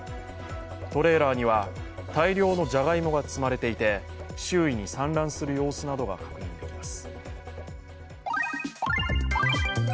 トレーラーには大量のじゃがいもが積まれていて、周囲に散乱する様子などが確認できます。